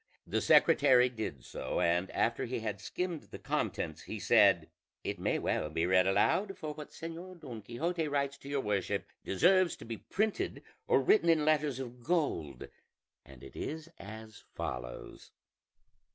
The secretary did so, and after he had skimmed the contents he said, "It may well be read aloud, for what Señor Don Quixote writes to your worship deserves to be printed or written in letters of gold, and it is as follows."